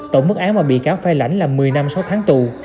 tổng mức án mà bị cáo phai lãnh là một mươi năm sáu tháng tù